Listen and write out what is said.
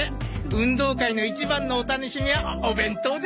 運動会の一番のお楽しみはお弁当ですよね！